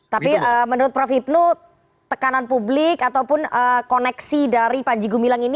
tapi menurut prof hipnu tekanan publik ataupun koneksi dari panji gumilang ini